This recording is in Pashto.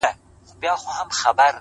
جادوگري جادوگر دي اموخته کړم،